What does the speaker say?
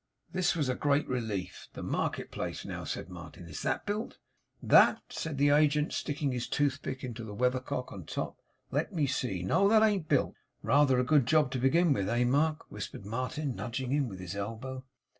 This was a great relief. 'The market place, now,' said Martin. 'Is that built?' 'That?' said the agent, sticking his toothpick into the weathercock on the top. 'Let me see. No; that ain't built.' 'Rather a good job to begin with eh, Mark?' whispered Martin nudging him with his elbow.